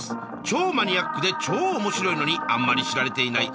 超マニアックで超面白いのにあんまり知られていない。